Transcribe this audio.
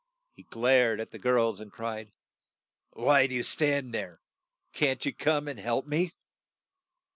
He glared at the girls, and cried, "Why do you stand there? Can't you come and help me?"